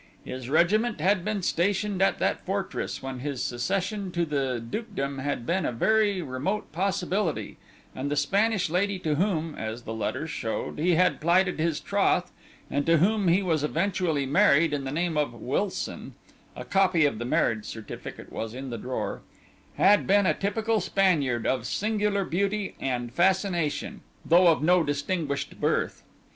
His regiment had been stationed at that fortress when his succession to the dukedom had been a very remote possibility, and the Spanish lady to whom, as the letters showed, he had plighted his troth, and to whom he was eventually married in the name of Wilson (a copy of the marriage certificate was in the drawer), had been a typical Spaniard of singular beauty and fascination, though of no distinguished birth.